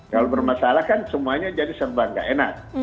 kalau bermasalah kan semuanya jadi serba gak enak